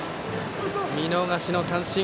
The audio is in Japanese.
見逃しの三振。